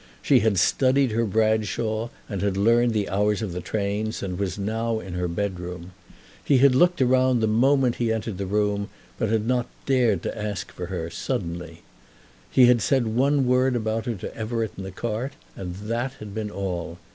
She had studied her Bradshaw, and learned the hours of the trains, and was now in her bedroom. He had looked around the moment he entered the room, but had not dared to ask for her suddenly. He had said one word about her to Everett in the cart, and that had been all.